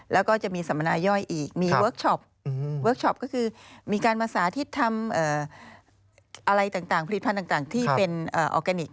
แล้วก็จะมีสัมมนาย่อยอีกมีเวิร์คชอปเวิร์คชอปก็คือมีการมาสาธิตทำอะไรต่างผลิตภัณฑ์ต่างที่เป็นออร์แกนิค